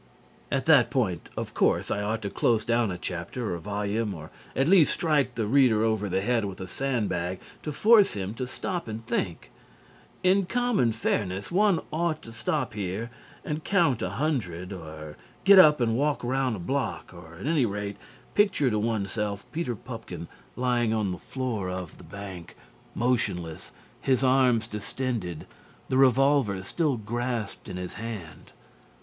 At that point, of course, I ought to close down a chapter, or volume, or, at least, strike the reader over the head with a sandbag to force him to stop and think. In common fairness one ought to stop here and count a hundred or get up and walk round a block, or, at any rate, picture to oneself Peter Pupkin lying on the floor of the bank, motionless, his arms distended, the revolver still grasped in his hand.